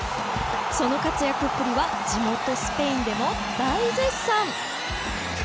その活躍っぷりは地元スペインでも大絶賛！